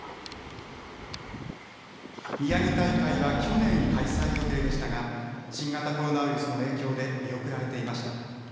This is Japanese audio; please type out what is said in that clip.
みやぎ大会は去年、開催予定でしたが新型コロナウイルスの影響で見送られていました。